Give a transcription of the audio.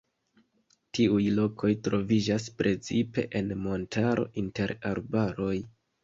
Tiuj lokoj troviĝas precipe en montaro inter arbaroj.